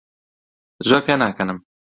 زۆر پێناکەنم.